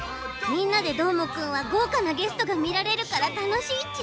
「みんなＤＥどーもくん！」はごうかなゲストがみられるからたのしいち？